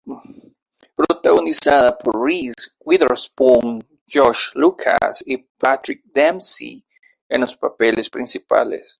Protagonizada por Reese Witherspoon, Josh Lucas y Patrick Dempsey en los papeles principales.